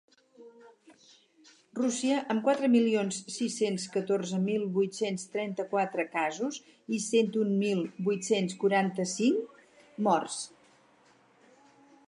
Rússia, amb quatre milions sis-cents catorze mil vuit-cents trenta-quatre casos i cent un mil vuit-cents quaranta-cinc morts.